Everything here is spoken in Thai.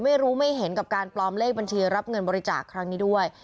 ไม่รู้ไม่เห็นกับการปลอมเลขบัญชีรับเงินบริจาคครั้งนี้ด้วย